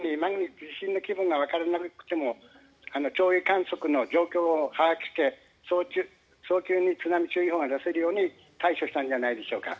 それでマグニチュードの地震の規模がわからなくても潮位観測の状況を把握して早急に津波注意報が出せるように対処したんじゃないでしょうか。